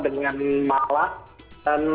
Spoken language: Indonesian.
dan ada juga yang panggang